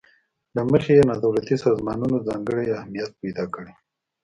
له مخې یې نا دولتي سازمانونو ځانګړی اهمیت پیداکړی.